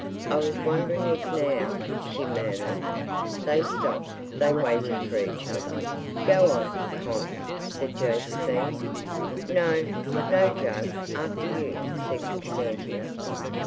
"I was wondering if now—" she murmured. They stopped; they waited for each other. "Go on, Con," said Josephine. "No, no, Jug; after you," said Constantia.